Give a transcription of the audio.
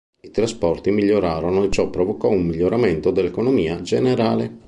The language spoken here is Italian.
I trasporti migliorarono e ciò provocò un miglioramento dell'economia generale.